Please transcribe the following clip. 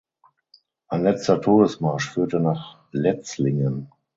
Ein letzter Todesmarsch führte nach Letzlingen.